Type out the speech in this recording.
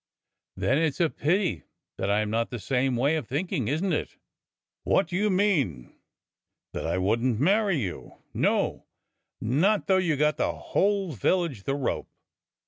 "Then it's a pity that I'm not the same way of think ing, isn't it?" THE SCHOOLMASTER'S SUIT 117 "What do you mean?" "That I wouldn't marry you — no, not though you got the whole village the rope